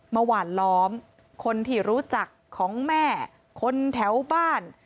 หวานล้อมคนที่รู้จักของแม่คนแถวบ้าน